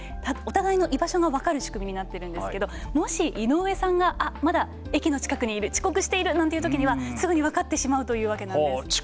お互いの居場所が分かる仕組みになっているんですけどもし、井上さんがまだ駅の近くにいる遅刻しているなんてときにはすぐに分かってしまうというわけなんです。